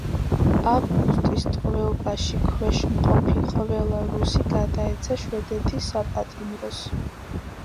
ავგუსტის ტყვეობაში ქვეშ მყოფი ყველა რუსი გადაეცა შვედეთის საპატიმროს.